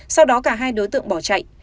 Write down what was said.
sau đó cả hai đối tượng bỏ chạy